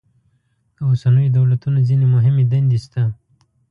د اوسنیو دولتونو ځینې مهمې دندې شته.